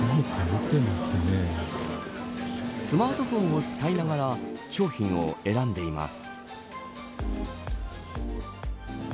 スマートフォンを使いながら商品を選んでいます。